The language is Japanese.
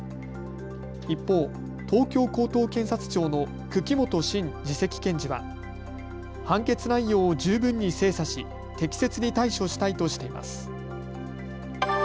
一方、東京高等検察庁の久木元伸次席検事は判決内容を十分に精査し適切に対処したいとしています。